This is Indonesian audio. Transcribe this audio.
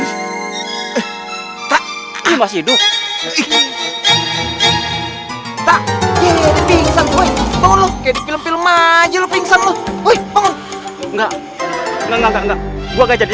sampai jumpa di video selanjutnya